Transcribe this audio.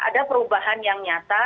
ada perubahan yang nyata